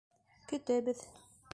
Көтәбеҙ.